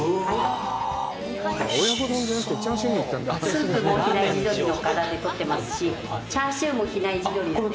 スープも比内地鶏のガラで取ってますし、チャーシューも比内地鶏なんです。